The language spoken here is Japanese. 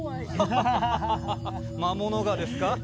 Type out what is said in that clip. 魔物がですか？